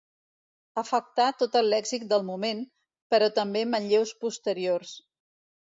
Afectà tot el lèxic del moment, però també manlleus posteriors.